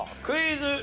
クイズ。